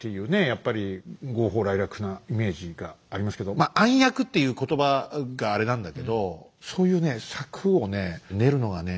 やっぱり豪放らいらくなイメージがありますけどまあ暗躍っていう言葉があれなんだけどそういうね